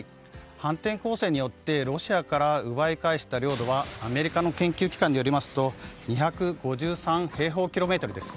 反転攻勢によってロシアから奪い返した領土はアメリカの研究機関によりますと２５３平方キロメートルです。